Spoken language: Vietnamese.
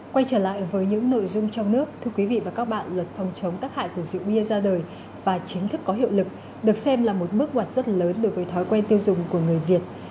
quay trở lại với những nội dung trong nước thưa quý vị và các bạn luật phòng chống tác hại của rượu bia ra đời và chính thức có hiệu lực được xem là một bước ngoặt rất lớn đối với thói quen tiêu dùng của người việt